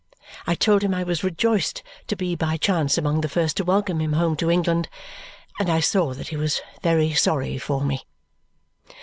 I told him I was rejoiced to be by chance among the first to welcome him home to England. And I saw that he was very sorry for me.